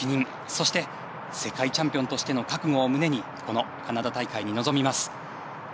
そして、世界チャンピオンとしての覚悟を胸にこのカナダ大会に臨みます。